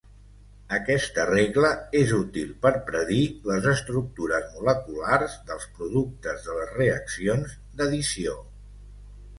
Aquesta regla és útil per predir les estructures moleculars dels productes de les reaccions d'addició.